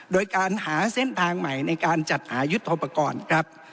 โดยการหาเส้นทางใหม่ในการจัดหายุทธโปรกรณ์ครับ